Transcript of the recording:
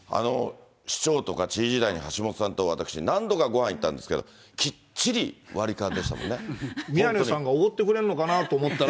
市長とか知事時代に橋下さんと私、何度かごはん行ったんですけど、宮根さんがおごってくれるのかなと思ったら。